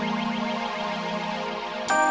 jepang kan akan keima overwhelm